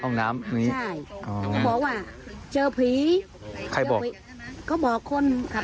องค์น้ำอันนี้อ๋อใช่เขาบอกว่าเจอผี